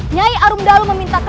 nyai arumdalu meminta kami